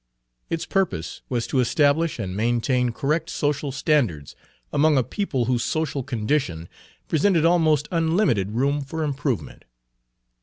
Its purpose was to establish and maintain correct social standards among a people whose social condition presented almost unlimited room for improvement.